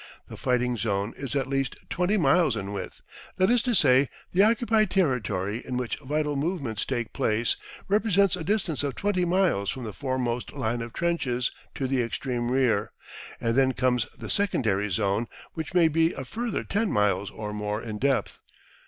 The fighting zone is at least 20 miles in width; that is to say, the occupied territory in which vital movements take place represents a distance of 20 miles from the foremost line of trenches to the extreme rear, and then comes the secondary zone, which may be a further 10 miles or more in depth.